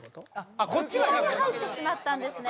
あっこっちがこちらに入ってしまったんですね